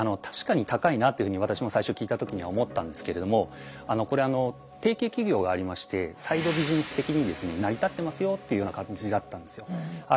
確かに高いなっていうふうに私も最初聞いた時には思ったんですけれども提携企業がありましてサイドビジネス的にですね成り立ってますよっていうような感じだったんですよ。